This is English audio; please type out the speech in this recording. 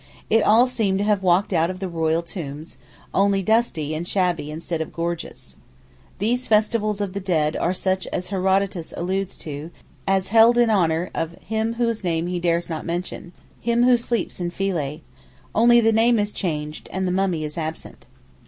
It all seemed to have walked out of the royal tombs, only dusty and shabby instead of gorgeous. These festivals of the dead are such as Herodotus alludes to as held in honour of 'Him whose name he dares not mention—Him who sleeps in Philæ,' only the name is changed and the mummy is absent.